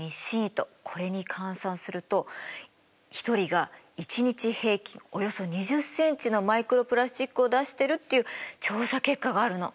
これに換算すると１人が１日平均およそ２０ｃｍのマイクロプラスチックを出してるっていう調査結果があるの。